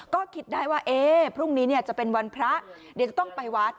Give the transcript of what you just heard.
ก็คิดได้ว่าพรุ่งนี้จะเป็นวันพระเดี๋ยวจะต้องไปวัด